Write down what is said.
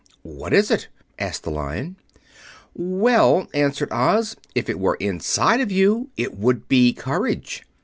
"What is it?" asked the Lion. "Well," answered Oz, "if it were inside of you, it would be courage.